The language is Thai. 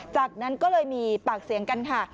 จากนั้นก็เลยมีปากเสียงกันค่ะ